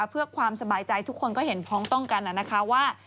เพื่อความสบายใจทุกคนก็เห็นพ้องต้องกันนะคะว่า